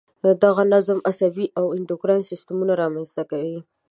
دغه نظم عصبي او انډوکراین سیستمونه را منځته کوي.